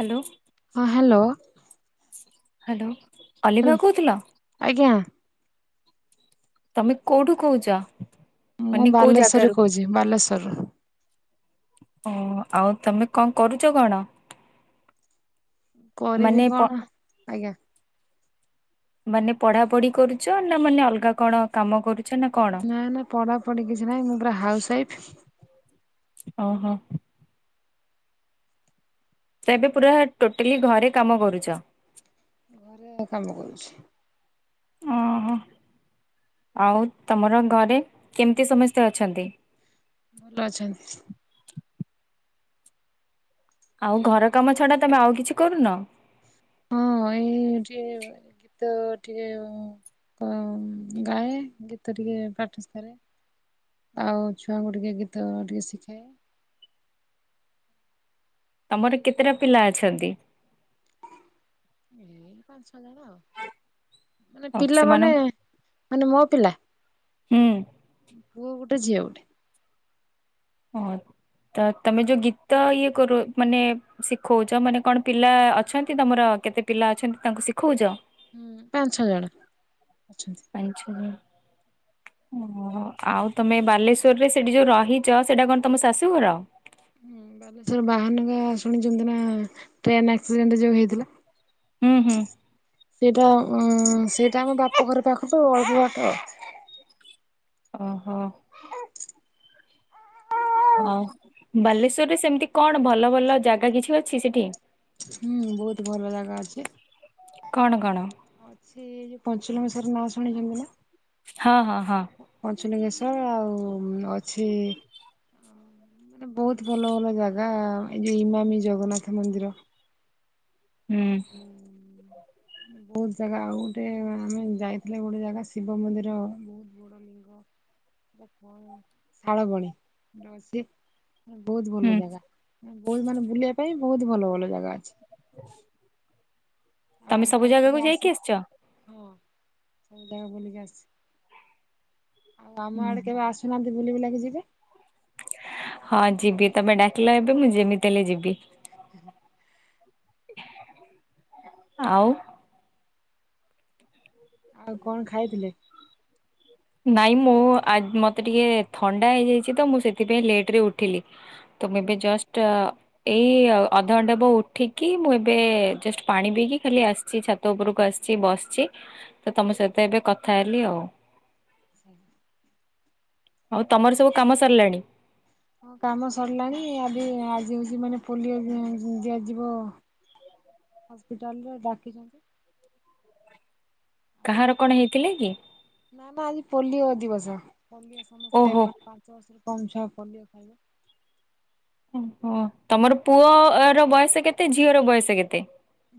Hello, ହଁ hello hello, Aliva କହୁଥିଲ? ଆଜ୍ଞା। ତମେ କୋଉଠୁ କହୁଚ? ମୁଁ ବାଲେଶ୍ଵରରେ କହୁଚି, ବାଲେଶ୍ୱର। ଓ, ଆଉ ତମେ କଣ କରୁଚ କଣ? କରିବି ମାନେ ପ କଣ, ଆଜ୍ଞା। ମାନେ ପଢା ପଢି କରୁଚ ନା ମାନେ ଅଲଗା କଣ? କାମ କରୁଛ ନା କ ନା ନା ପଢାପଢି କିଛି ନାହିଁ, ମୁଁ ପୁରା ହାଉସ ୱାଇଫ। ଓହୋ। ତ ଏବେ ପୁରା ଟୋଟାଲି ଘରେ କାମ କରୁଚ। ଘରେ କାମ କରୁଚି। ଓହୋ। ଆଉ ତମର ଘରେ କେମିତି ସମସ୍ତେ ଅଛନ୍ତି? ଭଲ ଅଛନ୍ତି। ଆଉ ଘର କାମ ଛଡା ତମେ ଆଉ କିଛି କରୁନ। ହଁ ଏଇ ହଉଚି ଗୀତ ଟିକେ ଉଁ ଅଁ ଗାଏ ଗୀତ ଟିକେ ପ୍ରାଟିସ୍ କରେ। ଆଉ ଛୁଆଙ୍କୁ ଟିକେ ଗୀତ ଟିକେ ଶିଖାଏ। ତମର କେତେଟା ପିଲା ଅଛନ୍ତି? ଏଇ ପାଁ ଛଅ ଜଣ ଆଉ। ମାନେ ପିଲା ମାନେ ସେମାନଙ୍କୁ ମାନେ ମୋ ପିଲା? ହୁଁ ପୁଅ ଗୋଟେ ଝିଅ ଗୋଟେ। ହଁ ତ ତମେ ଯୋଉ ଗୀତ ଇଏ କରୁ ମାନେ ଶିଖଉଚ ମାନେ କଣ ପିଲା ଅଛନ୍ତି ତମର କେତେ ପିଲା ଅଛନ୍ତି ତାଙ୍କୁ ଶିଖଉଚ? ହୁଁ ପାଁ ଛଅ ଜଣ। ପାଁ ଛଅ ଓହୋ ଆଉ ତମେ ବାଲେଶ୍ଵରରେ ସେଠି ଯୋଉ ରହି ଚ ସେଇଟା କଣ୍ ତମ ଶାଶୁଘର? ହଁ ବାଲେଶ୍ଵର ବାହାନଗା ଶୁଣିଚନ୍ତି ନା ଟ୍ରେନ୍ ଆକ୍ସିଡେଣ୍ଟ୍ ଯୋଉ ହେଇଥିଲା। ହୁଁ-ହୁଁ ସେଇଟା ଉଁ ସେଇଟା ଆମ ବାପ ଘର ପାଖକୁ ଅଳ୍ପ ବାଟ। ଅହ। ହଁ ବାଲେଶ୍ଵରରେ ସେମିତି କଣ ଭଲ ଭଲ ଜାଗା କିଛି ଅଛି ସେଠି? ହୁଁ ବହୁତ୍ ଭଲ ଜାଗା ଅଛି। କଣ କଣ? ଅଛି ଯୋଉ ପଞ୍ଚଲିଙ୍ଗେଶର ନାଁ ଶୁଣିଚନ୍ତି ନା? ହଁ-ହଁ-ହଁ ପଞ୍ଚୁଲିଙ୍ଗେଶ୍ଵର୍ ଆଉ ଅଛି ବହୁତ୍ ଭଲ ଭଲ ଜାଗା ଏ ଯୁ ଇମାମି ଜଗନ୍ନାଥ ମନ୍ଦିର। ହୁଁ ବହୁତ୍ ଜାଗା ଆଉ ଗୋଟେ ଆମେ ଯାଇଥିଲେ ଗୋଟେ ଜାଗା ଶିବ ମନ୍ଦିର ବହୁତ୍ [unintelligible] [unintelligible] ଶାଳବଣି ର ସେ ବହୁତ୍ ଭଲ ହୁଁ ଜାଗା ମା ବହୁତ୍ ମାନେ ବୁଲିବା ପାଇଁ ବହୁତ୍ ଭଲ ଭଲ ଜାଗା ଅଛି। ଆଉ ତମେ ଆମ ସବୁ ଆଡେ କେବେ ଜାଗାକୁ ଆସି ଯାଇକି ଆସିଚ? ହଁ ସବୁ ଜାଗା ବୁଲିକି ଆସଚି। ଆଉ ଆମ ହୁଁ। ଆଡେ କେବେ ଆସୁନାହାନ୍ତି ବୁଲି ବୁଲାକି ଯିବେ। ହଁ ଯିବି ତମେ ଡାକିଲ ଏବେ ମୁଁ ଯେମିତି ହେଲେ ଯିବି। [unintelligible] ଆଉ ଆଉ କଣ୍ ଖାଇଥିଲେ? ନାଇଁ ମୁଁ ଆ ମତେ ଟିକେ ଥଣ୍ଡା ହେଇଯାଇଚି ତ ମୁଁ ସେଥିପାଇଁ ଲେଟ୍ ରେ ଉଠିଲି। ତ ମୁଁ ଏବେ ଜଷ୍ଟ ଏଇ ଅଧଘଣ୍ଟେ ହେବ ଉଠିକି ମୁଁ ଏବେ ଜଷ୍ଟ ପାଣି ପିଇକି ଖାଲି ଆସିଚି ଛା ତ ଉପରକୁ ଆସିଚି ବସିଚି ତ ତମ ସହିତ ଏବେ କଥା ହେଲି ଆଉ। ଆଉ ତମର ସବୁ କାମ ସାଲଲାଣି? ହଁ କାମ ସରିଲାଣି ଆବି ଆଜି ହଉଚି ମାନେ ପୋଲିଓ [unintelligible] ଦିଆଯିବ। ହସ୍ପିଟାଲ୍ ର ଡାକିଛନ୍ତି। କାହାର କଣ ହେଇଥିଲେ କି? ନା-ନା ଆଜି ପୋଲିଓ ଦିବସ ପୋଲିଓ ସମସ୍ତେ ଓହୋ [unintelligible] ପାଞ୍ଚ ବର୍ଷରେ କମ ଛୁଆ ପୋଲିଓ ଖାଇବ। ଓ ହୋ ତମର ପୁଅ ର ବୟସ କେତେ ଝିଅ ର ବୟସ କେତେ?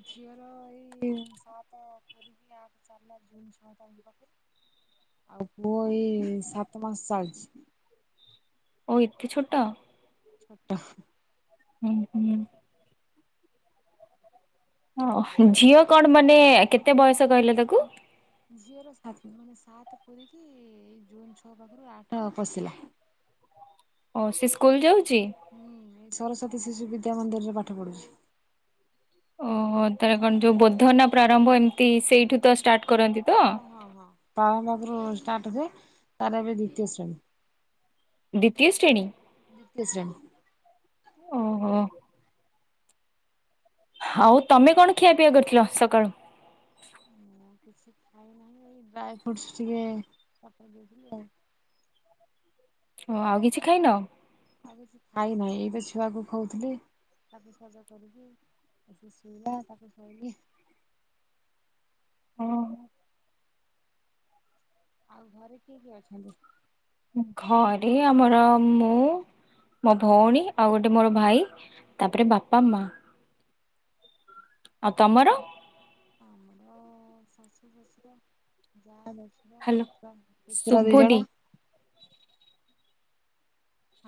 ଝିଅର ଏଇ ସାଟେ ପୁରିକି ଆଠ ଚାଲୀଲା। [unintelligible] ଆଉ ପୁଅ ଏଇ ସାତ ମାସ ଚାଲିଛି। ଓ ଏତେ ଛୋଟ? ଛୋଟ ହୁଁ ହୁଁ। ହଁ ଝିଅ କଣ ମାନେ କେତେ ବୟସ କହିଲ ତାକୁ? ଝିଅର ସାତ ମାନେ ସାତ ପୁରୀକି ଏ ଜୁନ ଛଅ ପାଖରୁ ଆଠ ପଶିଲା। ହ ସେ ସ୍କୁଲ ଯାଉଛି? ହୁଁ ଏଇ ସରସ୍ଵତୀ ଶିଶୁ ବିଦ୍ୟା ମନ୍ଦିର ରେ ପାଠ ପଢୁଛି। ଓହୋ ତାର କଣ ଯୋଉ ବୋଧ ନା ପ୍ରାରମ୍ଭ ଏମିତି ସେଇଠୁ ତ ଷ୍ଟାର୍ଟ କରନ୍ତି। ତ? ହ ହ ପ୍ରାରମ୍ଭ ପାଖରୁ ଷ୍ଟାର୍ଟ ହୁଏ ତାର ଏବେ ଦ୍ଵିତୀୟ ଶ୍ରେଣୀ। ଦ୍ୱିତୀୟ ଶ୍ରେଣୀ? ତିୟ ଶ୍ରେଣୀ। ଓହୋ ଆଉ ତମେ କଣ ଖିଆ ପିଆ କରିଥିଲ ସକାଳୁ? ମୁଁ କିଛି ଖାଇନାହିଁ ଏଇ ଡ୍ରାଏ ଫ୍ରୁଟ୍ସ ଟିକେ ପକେଇ ଦେଇଥିଲି ଆଉ। ଓ ଆଉ କିଛି ଖାଇନ? ଆଉ କିଛି ଖାଇ ନାହିଁ। ଏଇ ତ ଛୁଆକୁ ଖୋଉଥିଲି। ଶ ତାକୁ ସ ହଁ। ଆଉ ଘରେ କିଏ କିଏ ଅଛନ୍ତି? ଘରେ ଆମର ମୁଁ ମୋ ଭଉଣୀ ଆଉ ଗୋଟେ ମୋର ଭାଇ ତାପରେ ବାପା ମା। ଆଉ ତମର? ଆମର ଶାଶୁ ଶଶୁର ଯା ଦେଢ଼ଶୁର ହାଲୋ [inaudible] ପୁତୁରା ଶୁଭୁନି ଦୁଇଜଣ।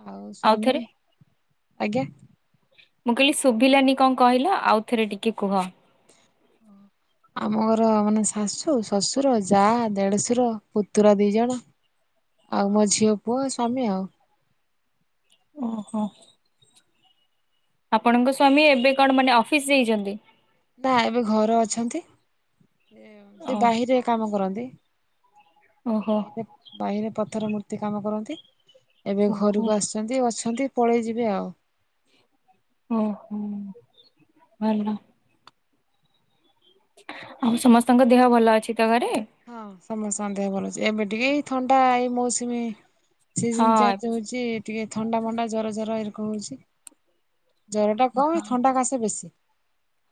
ଆଉ ସ୍ୱାମୀ ଆଉଥରେ ଆଜ୍ଞା। ମୁଁ କହିଲି ଶୁଭିଲାନି କଣ କହିଲ ଆଉ ଥରେ ଟିକେ କୁହ। ହଁ। ଆମ ଘର ମାନେ ଶାଶୁ ଶ୍ୱଶୁର ଯା ଦେଢଶୁର ପୁତୁରା ଦି ଜଣ। ଆଉ ମୋ ଝିଅ ପୁଅ ଶ୍ୱାମୀ ଆଉ। ଓହୋ। ଆପଣଙ୍କ ସ୍ୱାମୀ ଏବେ କଣ ମାନେ ଅଫିସ ଯାଇଛନ୍ତି? ନା ଏବେ ଘରେ ଅଛନ୍ତି ଓ ସେ ବାହିରେ କାମ କରନ୍ତି। ଓହୋ ବା ବାହିରେ ପଥର ମୂର୍ତ୍ତି କାମ କରନ୍ତି ଏବେ ଓହୋ ଘରକୁ ଆସୁ ଛନ୍ତି ଅଛନ୍ତି ପଳେଇ ଯିବେ ଆଉ। ଓହୋ ଭଲ। ଆଉ ସମସ୍ତଙ୍କ ଦେହ ଭଲ ଅଛି ତ ଘରେ? ହଁ ସମସ୍ତଙ୍କ ଦେହ ଭଲ ଅଛି। ଏବେ ଟିକେ ଏଇ ଥଣ୍ଡା ଏଇ ମୌସୁମ ହଁ ସିଯିନି ଚେଞ୍ଜ ହଉଛି ଟିକେ ଥଣ୍ଡା ମଣ୍ଡା ଜର ଜର ଏ ରକମ ହଉଛି। ଜ୍ୱର ଟା କମ ଏ ହଁ। ଥଣ୍ଡା କାସ ବେଶୀ।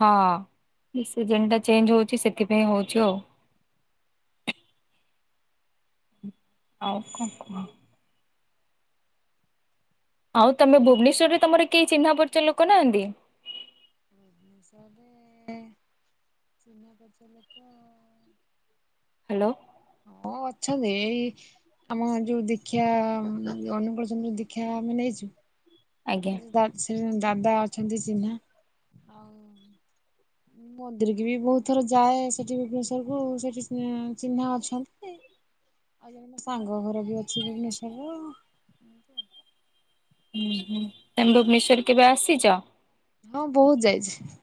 ହଁ ସିଜନ ଟା ଚେଞ୍ଜ ହଉଛି ସେଥିପାଇଁ ହଉଛି ଆଉ। ଆଉ କଣ କୁହ? ଆଉ ତମେ ଭୁବନେଶ୍ୱରରେ ତମର କେହି ଚିହ୍ନା ପରିଚ ଲୋକ ନାହାନ୍ତି? ଘରେ ଚିହ୍ନା, ପରିଚୟ ଲୋକ। ହ୍ୟାଲୋ ହଁ। ଅଛନ୍ତି ଏଇ ଆମ ଯୋଉ ଦୀକ୍ଷା ଅନୁକୁଳୁ ଚନ୍ଦ୍ର ଦୀକ୍ଷା ଆମେ ନେଇଛୁ। ଆଜ୍ଞା। ଦା ସେ ଦାଦା ଅଛନ୍ତି ଚିହ୍ନା ଆଉ। ମନ୍ଦିର କି ବି ବହୁତ ଥର ଯାଏ ସେଠି ଭୁବନେଶ୍ୱର କୁ ସେଠି ଚିହ୍ନା ଅଛନ୍ତି। [unintelligible] ଆଉ ଜଣେ ମୋ ସାଙ୍ଗ ଘର ବି ଅଛି ଭୁବନେଶ୍ୱର ରେ। ଉୁଁ ହୁଁ ତମେ ଭୁବନେଶ୍ୱର କେବେ ଆସିଛ। ହଁ ବହୁତ ଯାଇଛି।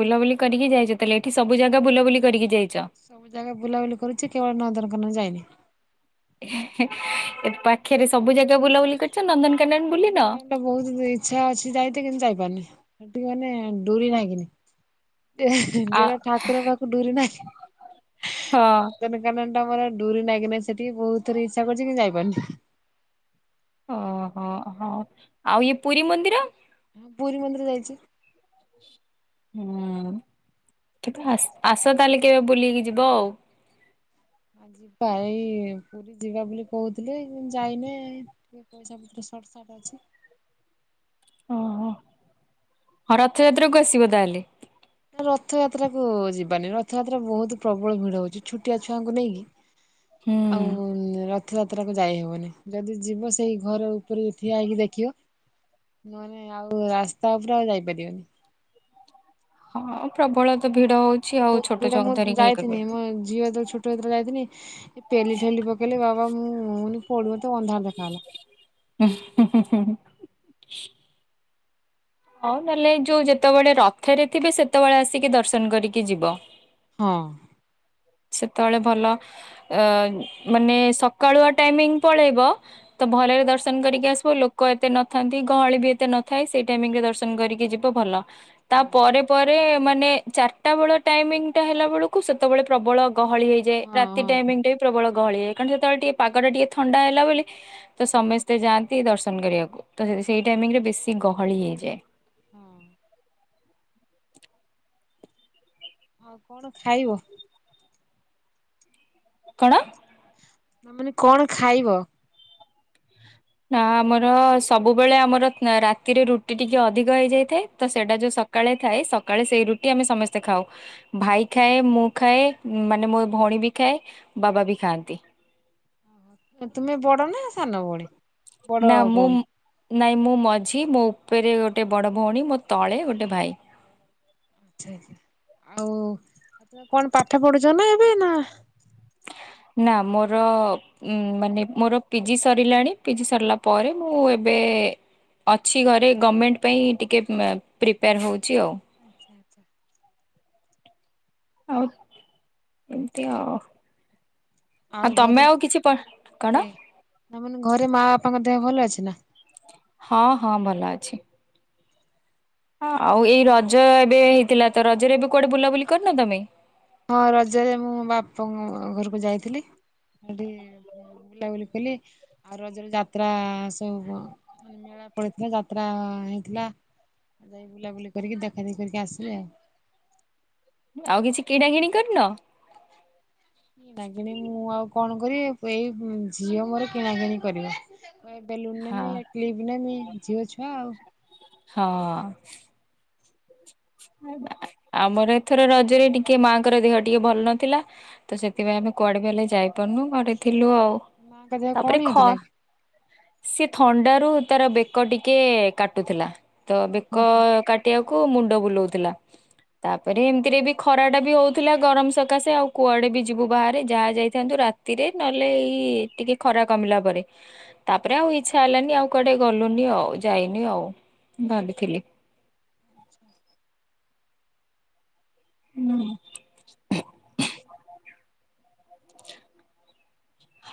ବୁଲାବୁଲି କରିକି ଯାଇଛ ତାହେଲେ ଏଠି ସବୁ ଜାଗା ବୁଲାବୁଲି କରିକି ଯାଇଛ। ସବୁ ଜାଗା ବୁଲାବୁଲି କରିଛି କେବଳ ନନ୍ଦନକାନନ ଯାଇନି। ପାଖେ ରେ ସବୁ ଜାଗା ବୁଲାବୁଲି କରିଛ ନନ୍ଦନ ନନ୍ଦନକାନନ ଟା ବହୁତ ଇଚ୍ଛା ଅଛି ଯାଇତେ କିନ୍ତୁ ଯାଇପାରୁନି ସେଠିକି ମାନେ ଡୁରି ନାଗି ନି। ଆ ଯାର ଠାକୁର ପାଖୁ କୁ ଡୁରି ନାଗିନି ହଁ କାରଣ ତାଙ୍କର ଡୁରୀ ନାଗି ନେ ସେଠିକି ବହୁତ ଥର ଇଚ୍ଛା କରିଛି କିନ୍ତୁ ଯାଇପାରୁନି। ଅ ହ ହ ଆଉ ଇ ପୁରୀ ମନ୍ଦିର। ହୁଁ ପୁରୀ ମନ୍ଦିର ଯାଇଛି। ହୁଁ କେବେ ଆସ ତାହେଲେ କେବେ ବୁଲିକି ଯିବ ଆଉ। ଯିବା ଏଇ ପୁରୀ ଯିବା ବୋଲି କହୁଥିଲେ କିନ୍ତୁ ଯାଇନେ। ପଇସା ପତ୍ର ସଟ ସାଟ ଅଛି। ଅ ହଁ ରଥଯାତ୍ରାକୁ ଆସିବ ତାହେଲେ। ନା ରଥଯାତ୍ରା କୁ ଯିବାନି ରଥଯାତ୍ରା ବହୁତ ପ୍ରବଳ ଭିଡ ହଉଛି ଛୋଟିଆ ଛୁଆଙ୍କୁ ନେଇକି। ହୁଁ। ଆଉ ର। ରଥଯାତ୍ରାକୁ ଯାଇହବନି ଯଦି ଯିବ ସେଇ ଘର ଉପରେ ଠିଆ ହେଇକି ଦେଖିବ। ନହେଲେ ଆଉ ରାସ୍ତା ଉପରେ ଆଉ ଯାଇପାରିବନି। ହଁ ପ୍ରବଳ ତ ଭିଡ ହଉଛି। ଆଉ ବହୁତ ଛୋଟ ପୁଡା ଛୁଆଙ୍କୁ ମୁଁ ଧରିକି ଇଏ ଯାଇଥିଲି କରିବେ। ମୋ ଝିଅ ଯେତେ ଛୋଟ। ଯେତେ ବେଳେ ଯାଇଥିନି ପେଲି, ଠେଲି ପକେଇଲେ ବାବା ମୁଁ ପଡିବୋ ତେ ଅନ୍ଧାର ଦେଖାହେଲା। [unintelligible] ହଉ ନହେଲେ ଏ ଯୋଉ ଯେତେବେଳେ ରଥରେ ଥିବେ ସେତେବେଳେ ଆସିକି ଦର୍ଶନ କରିକି ଯିବ। ହଁ। ସେତେବେଳେ ଭଲ ଅ ମାନେ ସକାଳୁଆ ଟାଇମିଂ ପଳେଇବ। ତ ଭଲରେ ଦର୍ଶନ କରିକି ଆସିବ ଲୋକ ଏତେ ନଥାନ୍ତି ଗହଳି ବି ଏତେ ନଥାଏ ସେଇ ଟାଇମିଙ୍ଗି ରେ ଦର୍ଶନ କରିକି ଯିବ। ସବୁ ଭଲ ତା ହଁ ପରେ ପରେ ମାନେ ଚାରିଟା ବେଳ ଟାଇମିଙ୍ଗି ହେଲା ବେଳ କୁ ସେତେବେଳେ। ପ୍ରବଳ ଗହଳି ହେଇଯାଏ ହଁ ରାତି ହଁ ଟାଇମିଙ୍ଗି ଟା ବି। ପ୍ରବଳ ଗହଳି ଏ କାରଣ ସେତେବେଳେ ଟିକେ ପାଗଟା ଟିକେ ଥଣ୍ଡା ହେଲା ବୋଲି। ତ ସମସ୍ତେ ଯାଆନ୍ତି ଦର୍ଶନ କରିବାକୁ ତ ସେଇ ଟାଇମିଂରେ ବେଶୀ ଗହଳି ହେଇଯାଏ। [unintelligible] ଆଉ କଣ ଖାଇବ। କଣ। ମୁଁ କହିଲି କଣ ଖାଇବ। ନା ଆମର ସବୁବେଳେ ଆମର ରାତିରେ ରୁଟି ଟିକେ ଅଧିକ ହେଇଯାଇଥାଏ ତ ସେଇଟା ଯୋଉ ସ। ସକାଳେ ଥାଏ ସକାଳେ ସେଇ ରୁଟି ଆମେ ସମସ୍ତେ ଖାଉ। ଭାଇ ଖାଏ ମୁଁ ଖାଏ ମାନେ ମୋ ଭଉଣୀ ବି ଖାଏ ବାବା ବି ଖାଆନ୍ତି। ତୁମେ ବଡ ନା ସାନ ଭଉଣି। ନା ମୁଁମ୍ ନାଇଁ ମୁଁ ମଝି ମୋ ଉପରେ ଗୋଟେ ବଡ଼ ଭଉଣୀ ମୋ ତଳେ ଗୋଟେ ଭାଇ। ଆଛା-ଆଚ୍ଛା, ଆଉ ଆଚ୍ଛା କଣ ପାଠ ପଢୁଛ ନା ଏବେ ନା ନା ମୋର ଉଁ ମାନେ ମୋର ପିଜି ସରିଲାଣି ପିଜି ସରିଲା ପରେ ମୁଁ ଏବେ ଅଛି ଘରେ ଗମେଣ୍ଟ ପାଇଁ ଟିକେ ପ୍ରିପେୟାର୍ ହଉଛି ଆଉ। ଆଚ୍ଛା-ଆଚ୍ଛା। ଆଉ ଏମତି ଆଉ। ଆଉ ତମେ ଘରେ କିଛି ପ କଣ? ଏ ନା ମାନେ ଘରେ ମାଆ ବାପାଙ୍କ ଦେହ ଭଲ ଅଛି ନା? ହଁ-ହଁ ଭଲ ଅଛି। ହଁ ଆଉ ଏଇ ରଜ ଏବେ ହେଇଥିଲା ତ ରଜରେ ଏବେ କୁଆଡେ ବୁଲାବୁଲି କରିନ ତମେ? ହଁ ରଜରେ ମୁଁ ବାପ-ଅ ଘରକୁ ଯାଇଥିଲି ସେଠି [inaudible] ବୁଲାବୁଲି କଲି ଆଉ ରଜରେ ଯାତ୍ରା-ଆ-ଆ ସବୁ କଣ ମେଳା ପଳେଇଥିଲା ଯାତ୍ରା-ଆ-ଆ-ଆ ହେଇଥିଲା ଯାଇ ବୁଲାବୁଲି କରିକି ଦେଖାଦେଖି କରିକି ଆସିଲି ଆଉ। ଆଉ କିଛି କିଣାକିିଣି କରିନ? କିଣାକିଣି ମୁଁ ଆଉ କଣ କରିବି ଏଇ ଝିଅ ମୋର କିଣାକିଣି କରିବ। କହି [inaudible] ବେଲୁନ୍ ନେମି ହଁ। କ୍ଲିବ୍ ନେମି ଝିଅ ଛୁଆ ଆଉ। ହଁ। ଆମର ଏଥର ରଜରେ ଟିକେ ମାଆଙ୍କର ଦେହ ଟିକେ ଭଲ ନଥିଲା। ତ ସେଥିପାଇଁ ଆମେ କୁଆଡେ ବି ହେଲେ ଯାଇପାରୁନୁ ଘରେ ଥିଲୁ ଆଉ ମାଙ୍କ ଦେହ କଣ ତାପରେ ଖ ହେଇଥିଲା କି? ସିଏ ଥଣ୍ଡାରୁ ତାର ବେକ ଟିକେ କାଟୁଥିଲା ତ ଓହୋ ହୋ ବେକ-ଅ-ଅ କାଟିବାକୁ ମୁଣ୍ଡ ବୁଲଉଥିଲା। ତାପରେ ଏମିତିରେ ବି ଖରାଟା ବି ହଉଥିଲା ଗରମ ସକାଶେ ଆଉ କୁଆଡେ ବି ଯିବୁ ବାହାରେ ଯାହା ଯାଇଥାନ୍ତୁ ରାତ୍ ତିରେ ନହେଲେ ଏଇ-ଇ-ଇ ଟିକେ ଖରା କମିଲା ପରେ। ତାପରେ ଆଉ ଇଛା ହେଲାନି ଆଉ କୁଆଡେ ଗଲୁନି ଆଉ ଯାଇନି ଆଉ ଭାବିଥିଲି। ଆଚ୍ଛା। ହୁଁ।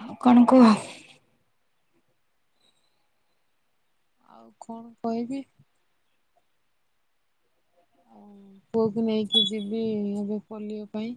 ଆଉ କଣ କୁହ। ଆଉ କଣ କହିବି? ଆଉ ପୁଅକୁ ନେଇକି ଯିବି ହବ ପୋଲିଓ ପାଇଁ।